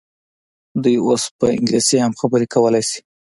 دوی اوس پر انګلیسي هم خبرې کولای شي.